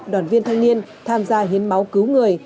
đoàn viên thanh niên tham gia hiến máu cứu người